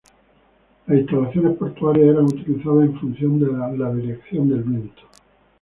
Las instalaciones portuarias eran utilizadas en función de la dirección del viento.